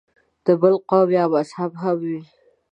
د بل قوم یا مذهب هم وي.